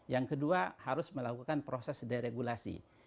yang kedua harus melakukan proses deregulasi